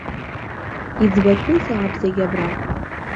Иӡбатәызаап зегь абра.